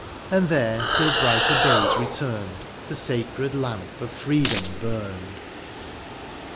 And there, till brighter days returned. The sacred lamp of freedom burned.